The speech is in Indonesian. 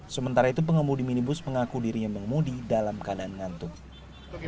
sementara itu pengemudi minibus mengaku dirinya mengemudi dalam keadaan ngantuk